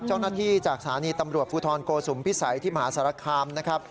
เจ้าหน้าที่จากสถานีตำรวจภูทรโกสุมพิสัยที่มหาสารคามนะครับ